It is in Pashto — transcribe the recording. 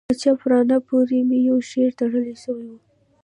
په چپ ورانه پورې مې يو شى تړل سوى و.